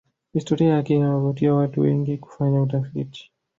historia yake inawavutia watu wengi kufanya utafiti